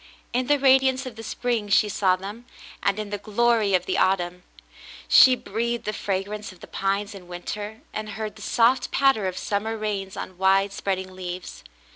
In the radi ance of the spring, she saw them, and in the glory of the autumn ; she breathed the fragrance of the pines in winter and heard the soft patter of summer rains on widespread ing leaves.